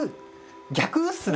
逆っすね。